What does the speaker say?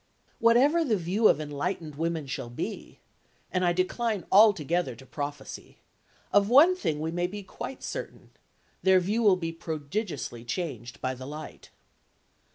Whatever the view of enlightened women will be (and I decline altogether to prophesy), of one thing we may be quite certain, their view will be prodigiously changed by the light.